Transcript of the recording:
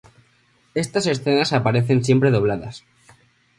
Estas escenas aparecen siempre dobladas.